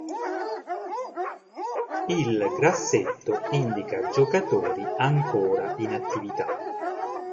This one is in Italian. Il grassetto indica giocatori ancora in attività.